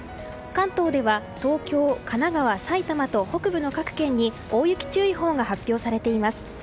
関東では東京、神奈川、埼玉と北部の各県に大雪注意報が発表されています。